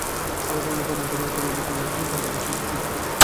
আমি কেবল এই প্রার্থনা করতে পারি যে, তোমার শুভ সঙ্কল্প শীঘ্র সিদ্ধ হোক।